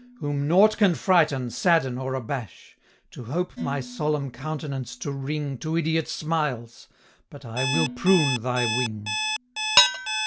Whom nought can frighten, sadden, or abash, To hope my solemn countenance to wring To idiot smiles! but I will prune thy wing!"